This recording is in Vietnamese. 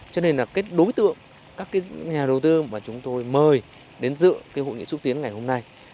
cho nên là cái đối tượng các cái nhà đầu tư mà chúng tôi mời đến dựa cái hội nghị xúc tiến ngày hôm nay